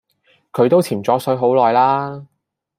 佢都潛左水好耐啦